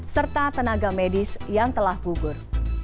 serta tenaga medis yang telah gugur